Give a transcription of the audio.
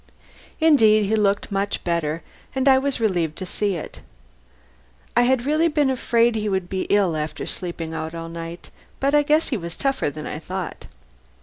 Indeed he looked much better, and I was relieved to see it. I had been really afraid he would be ill after sleeping out all night, but I guess he was tougher than I thought.